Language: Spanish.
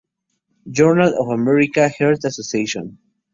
Journal of the American Heart Association.